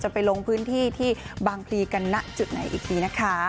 ไปลงพื้นที่ที่บางพลีกันณจุดไหนอีกทีนะคะ